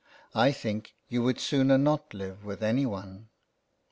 I think you would sooner not live with anyone."